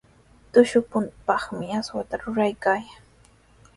Tushuqkunapaqmi aswata ruraykaayan.